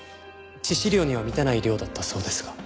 致死量には満たない量だったそうですが。